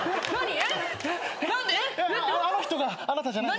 あの人があなたじゃないの？